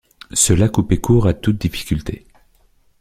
Cela coupait court à toute difficulté.